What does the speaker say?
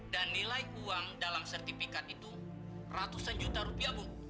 dan nilai uang dalam sertifikat itu ratusan juta rupiah bu